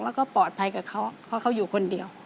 แล้วก็ปลอดภัยกับเขาเพราะเขาอยู่คนเดียว